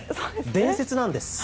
伝説なんです。